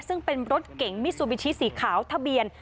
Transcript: ซึ่งเป็นรถเก่งมิซูบิชิสีขาวทะเบียน